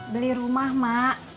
beli rumah mak